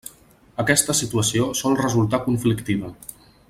Aquesta situació sol resultar conflictiva.